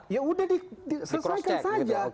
ya udah disesuaikan saja